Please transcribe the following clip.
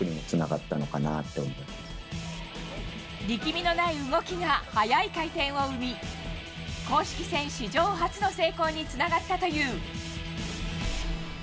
力みのない動きが速い回転を生み公式戦史上初の成功につながったという。